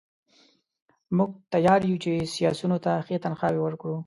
موږ تیار یو چې سیاسیونو ته ښې تنخواوې ورکړو.